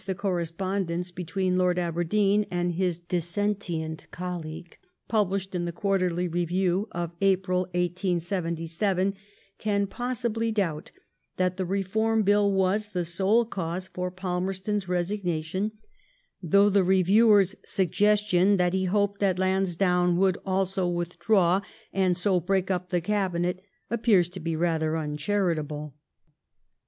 the correspondence between Lord Aberdeen and his dis sentient colleague, published in the Quarterly Review of April 1877, can possibly doubt that the Beform Bill was the sole reason for Palmerston's resignation, though the reviewer's suggestion that he hoped that JLansdowne would also withdraw, and so break up the XHabinet, appears to be rather uncharitable.